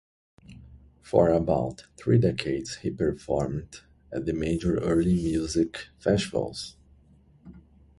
For about three decades he performed at the major early music festivals.